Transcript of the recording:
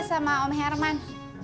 sama om herman